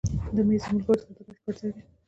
مېز د ملګرو سره د ګډ کار ځای دی.